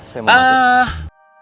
saya mau masuk